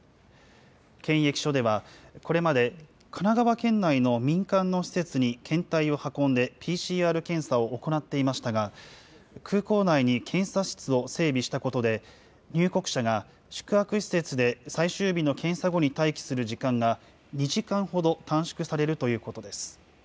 検疫所ではこれまで、神奈川県内の民間の施設に検体を運んで、ＰＣＲ検査を行っていましたが、空港内に検査室を整備したことで、入国者が宿泊施設で最終日の検査後に待機する時間が、２時間ほど短縮されるということです。